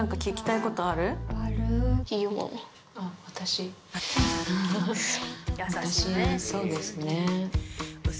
私そうですね。